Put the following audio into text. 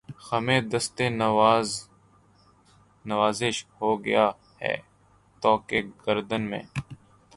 خمِ دستِ نوازش ہو گیا ہے طوق گردن میں